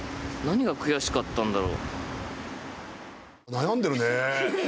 悩んでるね。